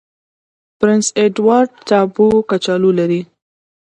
پرنس اډوارډ ټاپو کچالو لري.